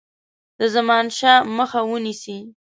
د زمانشاه مخه ونیسي.